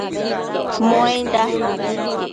Muainda